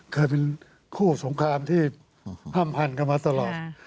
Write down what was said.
เคยเป็นคู่สงครามที่ห้ามพันกันมาตลอด